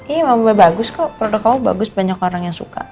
ini mama bagus kok produk kamu bagus banyak orang yang suka